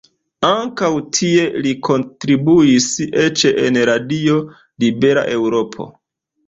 Ankaŭ tie li kontribuis, eĉ en Radio Libera Eŭropo.